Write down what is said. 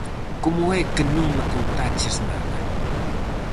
Como é que non me contaches nada?